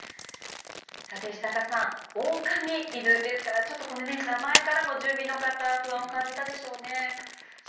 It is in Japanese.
石坂さんオオカミ犬ですからちょっと名前からも住民の方は不安を感じたでしょうね。